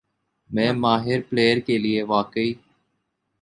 میں ماہر پلئیر کے لیے واقعی